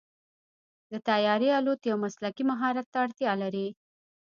د طیارې الوت یو مسلکي مهارت ته اړتیا لري.